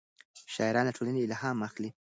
شاعران له ټولنې الهام اخلي.